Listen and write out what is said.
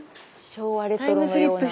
昭和レトロのような。